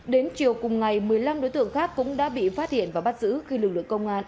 đến chiều cùng ngày một mươi năm đối tượng khác cũng đã bị phát hiện và bắt giữ khi lực lượng công an